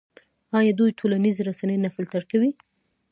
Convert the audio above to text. آیا دوی ټولنیزې رسنۍ نه فلټر کوي؟